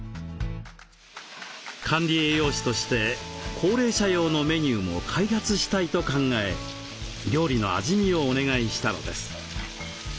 管理栄養士として高齢者用のメニューも開発したいと考え料理の味見をお願いしたのです。